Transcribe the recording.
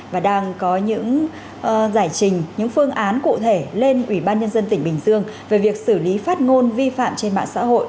và đang có những giải trình những phương án cụ thể lên ủy ban nhân dân tỉnh bình dương về việc xử lý phát ngôn vi phạm trên mạng xã hội